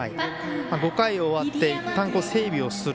５回終わっていったん、整備をする。